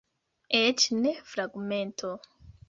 Eĉ ne fragmento.